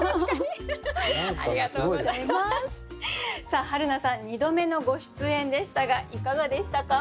さあはるなさん２度目のご出演でしたがいかがでしたか？